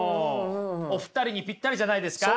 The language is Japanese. お二人にぴったりじゃないですか？